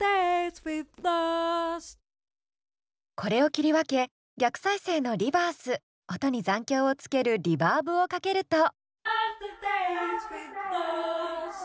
これを切り分け逆再生のリバース音に残響をつけるリバーブをかけると。